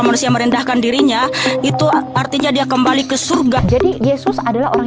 manusia merendahkan dirinya itu artinya dia kembali ke surga jadi yesus adalah